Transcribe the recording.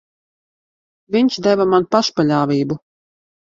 Viņš deva man pašpaļāvību.